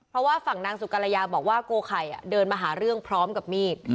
เพราะว่าฝั่งนางสุกรยาบอกว่าโกไข่เดินมาหาเรื่องพร้อมกับมีด